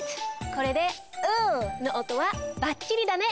これで“ｌ”の音はバッチリだね！